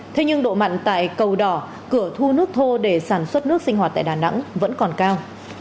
thế nhưng độ mặn tại cầu đỏ cửa thu nước thô để sản xuất nước sinh hoạt tại đà nẵng vẫn còn cao